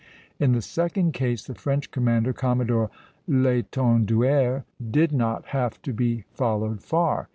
In the second case the French commander, Commodore l'Étenduère, did not have to be followed far.